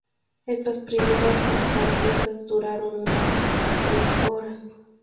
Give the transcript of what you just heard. Estas primeras escaramuzas duraron unas tres horas.